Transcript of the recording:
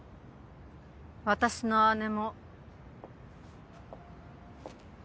私の姉も。